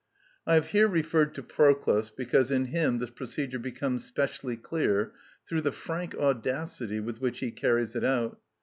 I have here referred to Proclus because in him this procedure becomes specially clear through the frank audacity with which he carries it out.